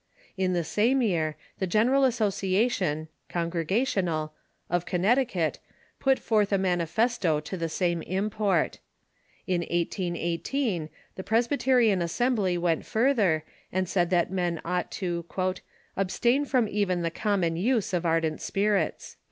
In the same year, the General Association (Congregational) of Connecticut ])ut forth a manifesto to the same import. In 1818, the Presbyterian Assembly went further, and said that men ought to " abstain from even the common use of ardent spirits."